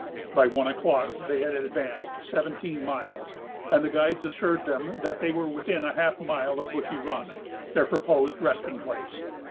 By one o'clock, they had advanced seventeen miles; and the guides assured them that they were within half a mile of Bushy Run, their proposed resting place.